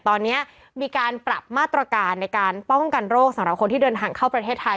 ตอนนี้มีการปรับมาตรการในการป้องกันโรคสำหรับคนที่เดินทางเข้าประเทศไทย